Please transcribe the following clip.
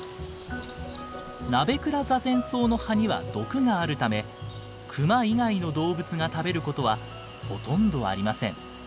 ナベクラザゼンソウの葉には毒があるためクマ以外の動物が食べることはほとんどありません。